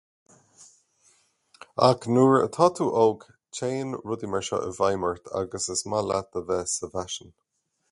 Ach nuair atá tú óg, téann rudaí mar seo i bhfeidhm ort agus is maith leat a bheith sa bhfaisean.